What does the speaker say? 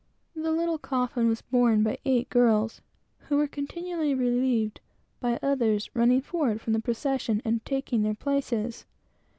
The little coffin was borne by eight girls, who were continually relieved by others, running forward from the procession and taking their places.